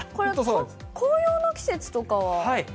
紅葉の季節とかは？